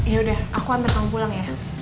ya udah aku ambil tanggung pulang ya